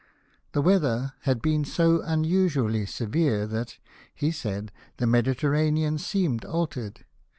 The weather had been so unusually severe that, he said, the Mediterranean seemed altered.